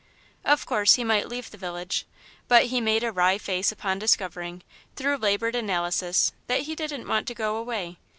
Of course, he might leave the village, but he made a wry face upon discovering, through laboured analysis, that he didn't want to go away.